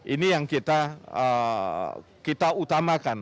ini yang kita utamakan